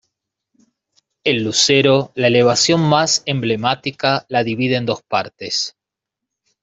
El Lucero, la elevación más emblemática, la divide en dos partes.